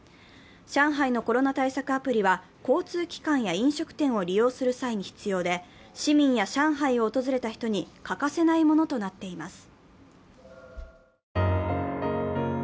上海のコロナ対策アプリは交通機関や飲食店を利用する際に必要で、市民や上海を訪れた人に欠かせないものとなっています。